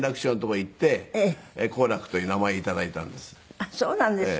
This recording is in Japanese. あっそうなんですか。